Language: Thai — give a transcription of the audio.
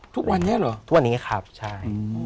ทุกวันนี้เหรอทุกวันนี้ครับใช่